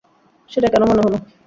সেটা কেন মনে হলো?